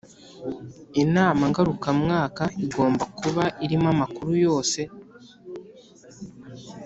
Inama ngarukamwaka igomba kuba irimo amakuru yose